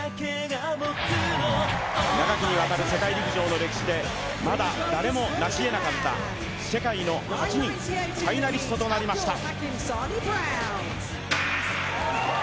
長きにわたる世界陸上の歴史でまだ、誰もなしえなかった世界の８人ファイナリストとなりました。